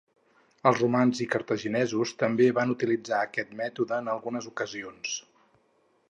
Els romans i cartaginesos també van utilitzar aquest mètode en algunes ocasions.